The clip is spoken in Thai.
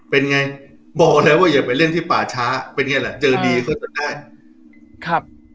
เป็นไงบอกเลยว่าอย่าไปเล่นที่ป่าช้าเป็นไงล่ะเจอดีก็จะได้ครับ